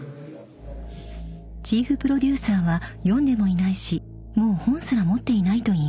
［チーフプロデューサーは読んでもいないしもう本すら持っていないと言います］